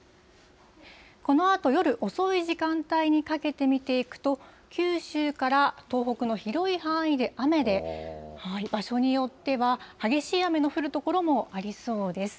このあと夜遅い時間帯にかけて見ていくと、九州から東北の広い範囲で雨で、場所によっては激しい雨の降る所もありそうです。